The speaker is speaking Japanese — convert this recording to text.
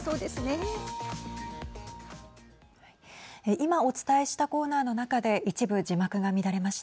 今お伝えしたコーナーの中で一部字幕が乱れました。